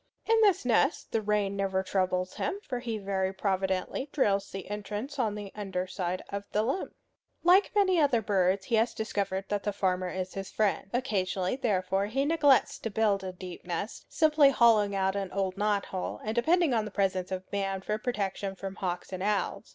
In this nest the rain never troubles him, for he very providently drills the entrance on the under side of the limb. Like many other birds, he has discovered that the farmer is his friend. Occasionally, therefore, he neglects to build a deep nest, simply hollowing out an old knot hole, and depending on the presence of man for protection from hawks and owls.